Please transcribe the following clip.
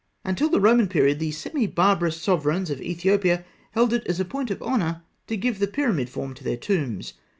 Until the Roman period, the semi barbarous sovereigns of Ethiopia held it as a point of honour to give the pyramidal form to their tombs.